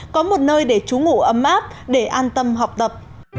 có một nơi để trú ngủ ấm áp để an tâm học tập